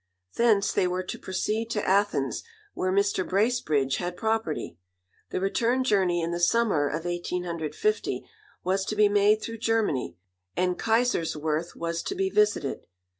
Thence they were to proceed to Athens, where Mr. Bracebridge had property. The return journey in the summer of 1850 was to be made through Germany, and Kaiserswerth was to be visited.